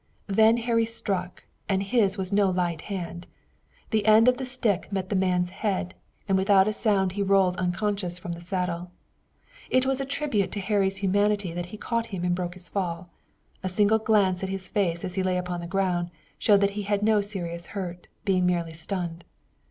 Then Harry struck, and his was no light hand. The end of the stick met the man's head, and without a sound he rolled unconscious from the saddle. It was a tribute to Harry's humanity that he caught him and broke his fall. A single glance at his face as he lay upon the ground showed that he had no serious hurt, being merely stunned.